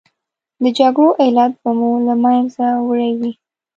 د جګړو علت به مو له منځه وړی وي.